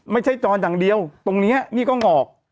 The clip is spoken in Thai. ไม่ใช่จอนจังเดียวตรงนี้นี่ก็หงอก